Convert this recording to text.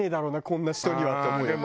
こんな人にはって思うよ。